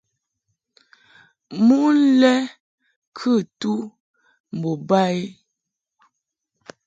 Mon lɛ kɨ tu mbo ba i.